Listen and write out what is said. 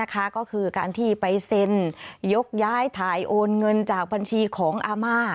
ก็คือการที่ไปเซ็นยกย้ายถ่ายโอนเงินจากบัญชีของอาม่า